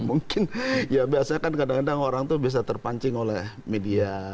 mungkin ya biasanya kan kadang kadang orang tuh bisa terpancing oleh media